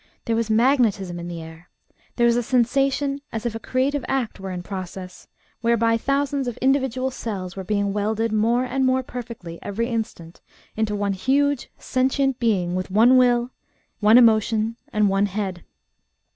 There was magnetism in the air. There was a sensation as if a creative act were in process, whereby thousands of individual cells were being welded more and more perfectly every instant into one huge sentient being with one will, one emotion, and one head.